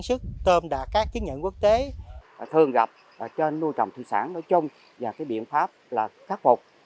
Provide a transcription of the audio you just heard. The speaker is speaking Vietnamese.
sản phẩm tương đối cao